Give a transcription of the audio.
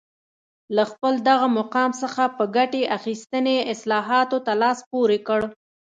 له خپل دغه مقام څخه په ګټې اخیستنې اصلاحاتو ته لاس پورې کړ